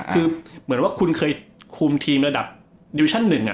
คือเหมือนว่าคุณเคยคุมทีมระดับดิวชั่นหนึ่ง